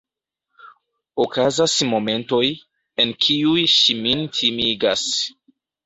Okazas momentoj, en kiuj ŝi min timigas.